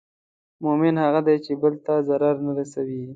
مؤمن هغه دی چې بل ته ضرر نه رسوي.